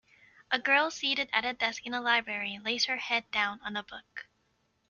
A girl seated at a desk in a library lays her head down on a book.